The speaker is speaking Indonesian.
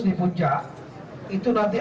di puncak itu nanti